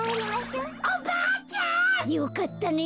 よかったね。